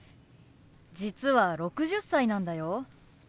実は６０歳なんだよ。